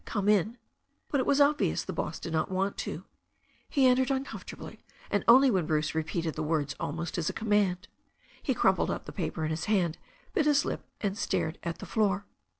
"Come in." But it was obvious the boss did not want to. He entered imcomfortably, and only when Bruce repeated the words almost as a command. He crumpled up the paper in his hand, bit his lips, and stared at the floor.